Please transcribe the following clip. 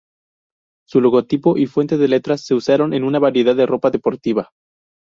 Su logotipo y fuente de letras se usaron en una variedad de ropa deportiva.